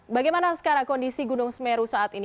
bagaimana sekarang kondisi gunung semeru saat ini